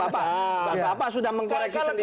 bapak sudah mengkoreksi sendiri